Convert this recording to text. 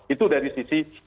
itu dari sisi